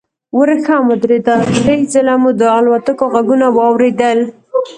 ورښت هم ودرېد، درې ځله مو د الوتکو غږونه واورېدل.